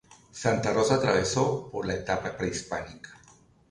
Santa Rosa atravesó por la etapa prehispánica.